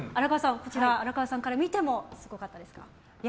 荒川さんから見てもすごかったですか？